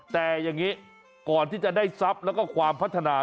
แต่อย่างนี้ก่อนที่จะได้ทรัพย์แล้วก็ความพัฒนา